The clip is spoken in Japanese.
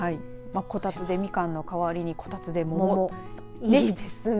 こたつでみかんの代わりにこたつで桃いいですね。